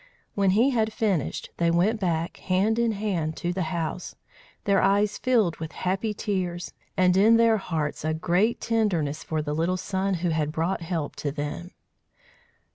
When he had finished, they went back, hand in hand, to the house, their eyes filled with happy tears, and in their hearts a great tenderness for the little son who had brought help to them.